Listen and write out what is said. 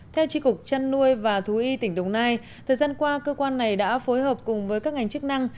theo tri cục chăn nuôi và thú y tỉnh đồng nai thời gian qua cơ quan này đã phối hợp cùng với các ngành chức năng